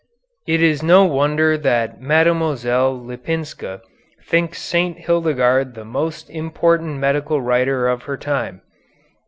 It is no wonder that Mlle. Lipinska thinks St. Hildegarde the most important medical writer of her time.